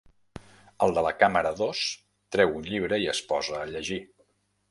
El de la càmera dos treu un llibre i es posa a llegir.